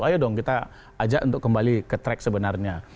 ayo dong kita ajak untuk kembali ke track sebenarnya